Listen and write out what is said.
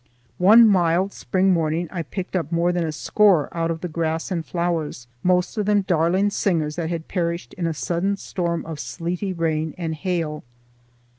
One mild spring morning I picked up more than a score out of the grass and flowers, most of them darling singers that had perished in a sudden storm of sleety rain and hail.